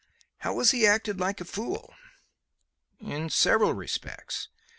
"How has he acted like a fool?" "In several respects.